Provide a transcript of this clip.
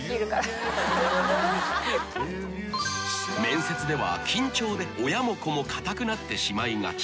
［面接では緊張で親も子も堅くなってしまいがち］